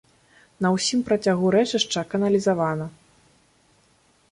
На ўсім працягу рэчышча каналізавана.